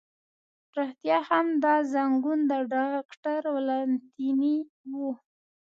رښتیا هم، دا زنګون د ډاکټر ولانتیني و.